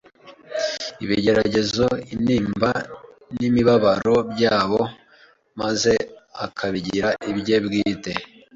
ibigeragezo, intimba n’imibabaro byabo maze akabigira ibye bwite.